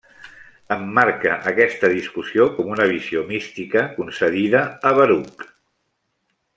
Emmarca aquesta discussió com una visió mística concedida a Baruc.